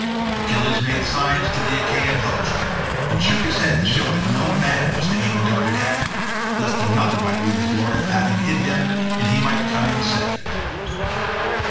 Achilles made signs to the Achaean host, and shook his head to show that no man was to aim a dart at Hector, lest another might win the glory of having hit him and he might himself come in second.